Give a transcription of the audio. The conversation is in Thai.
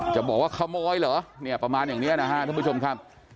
จะบอกว่าขโมยเหรอเนี่ยประมาณอย่างนี้นะฮะท่านผู้ชมครับ